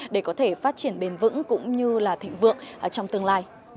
để có thể phát triển bền vững cũng như là thịnh vượng trong tương lai